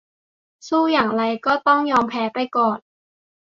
สู้อย่างไรก็ต้องยอมแพ้ไปก่อน